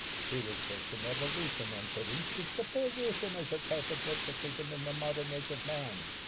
He was versed in evolution, and would instance the poor Russian as a type of despotism in the modern age of man.